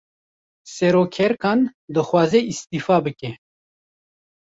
Serokerkan, dixwaze îstîfa bike